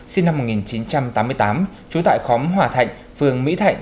sinh năm một nghìn chín trăm tám mươi tám trú tại khóm hòa thạnh phường mỹ thạnh